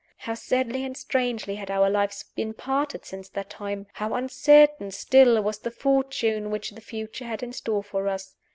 How sadly and strangely had our lives been parted since that time! How uncertain still was the fortune which the future had in store for us!